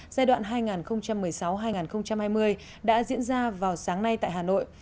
giai đoạn hai nghìn một mươi sáu hai nghìn hai mươi đã diễn ra vào sáng nay tại hà nội